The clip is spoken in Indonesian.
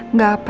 nggak apa ya